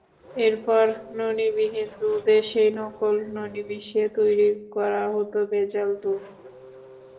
এরপর ননিবিহীন দুধে সেই নকল ননি মিশিয়ে তৈরি করা হতো ভেজাল দুধ।